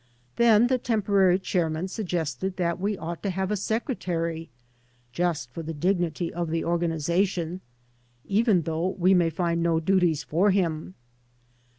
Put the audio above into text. Then the temporary chairman suggested that we ought to have a secretary, "just for the dignity of the organiza tion/' even though we may find no duties for him.